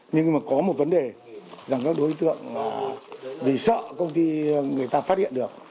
nhưng mà có một vấn đề rằng các đối tượng vì sợ công ty người ta phát hiện được